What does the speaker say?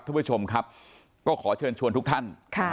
ท่านผู้ชมครับก็ขอเชิญชวนทุกท่าน